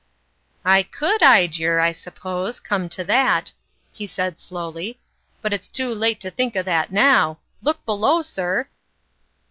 " I could 'ide yer, I suppose, come to that," he said slowly ;" but it's too late to think o' that now. Look below, sir